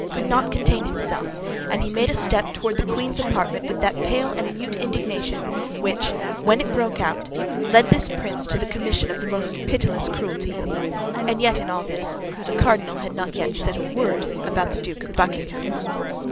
could not contain himself, and he made a step toward the queen's apartment with that pale and mute indignation which, when it broke out, led this prince to the commission of the most pitiless cruelty. And yet, in all this, the cardinal had not yet said a word about the Duke of Buckingham.